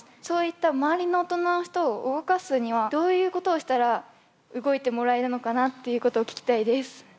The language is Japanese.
そういった周りの大人の人を動かすにはどういうことをしたら動いてもらえるのかなっていうことを聞きたいです。